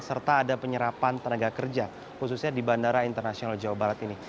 serta ada penyerapan tenaga kerja khususnya di bandara internasional jawa barat ini